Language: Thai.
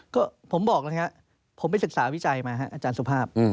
ก็ผมบอกแล้วครับผมไปศึกษาวิจัยมาฮะอาจารย์สุภาพ